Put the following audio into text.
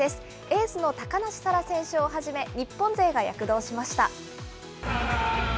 エースの高梨沙羅選手をはじめ、日本勢が躍動しました。